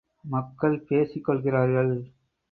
மக்கள் பேசிக் கொள்கிறார்கள்.